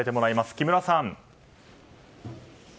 木村さん。